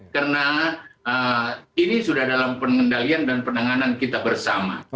karena ini sudah dalam pengendalian dan penanganan kita bersama